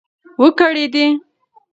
و کړېدی .